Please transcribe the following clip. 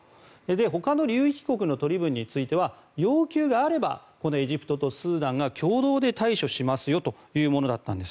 他の流域国の取り分については要求があればエジプトとスーダンが共同で対処しますよというものだったんです。